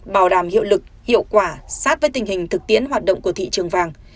bảo đảm hiệu lực hiệu quả sát với tình hình thực tiễn hoạt động của thị trường vàng